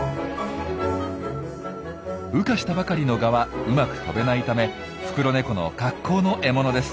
羽化したばかりのガはうまく飛べないためフクロネコの格好の獲物です。